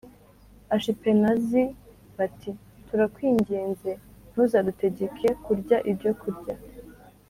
Ashipenazi bati turakwinginze ntuzadutegeke kurya ibyokurya